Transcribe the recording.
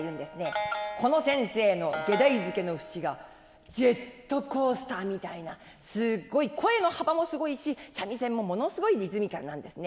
この先生の外題付けの節がジェットコースターみたいなすごい声の幅もすごいし三味線もものすごいリズミカルなんですね。